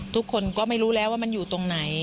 ทุกคนก็ไม่รู้แล้วว่ามันอยู่ตรงไหน